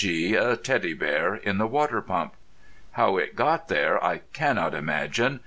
g._, a Teddy Bear in the water pump. (How it got there I cannot imagine.